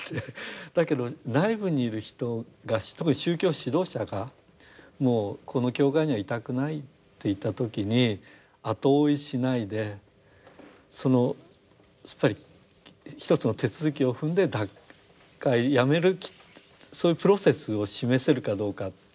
だけど内部にいる人が特に宗教指導者が「もうこの教会にはいたくない」と言った時に後追いしないですっぱり一つの手続きを踏んで脱会やめるそういうプロセスを示せるかどうか。